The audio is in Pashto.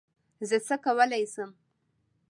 زه څه کولای یم